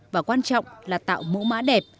và quan trọng là tạo mẫu mã đẹp